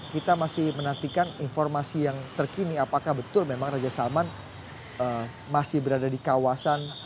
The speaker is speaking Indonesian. kita masih menantikan informasi yang terkini apakah betul memang raja salman masih berada di kawasan